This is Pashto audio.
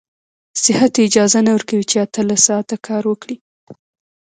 صحت يې اجازه نه ورکوي چې اتلس ساعته کار وکړي.